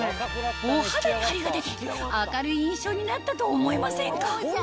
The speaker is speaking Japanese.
お肌にハリが出て明るい印象になったと思いませんか？